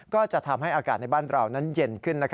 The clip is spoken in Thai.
ก็จะทำให้อากาศในบ้านเรานั้นเย็นขึ้น